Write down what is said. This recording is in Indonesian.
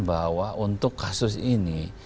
bahwa untuk kasus ini